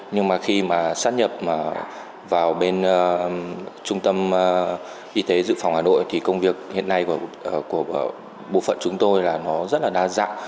nhưng mà khi mà sát nhập vào bên trung tâm y tế dự phòng hà nội thì công việc hiện nay của bộ phận chúng tôi là nó rất là đa dạng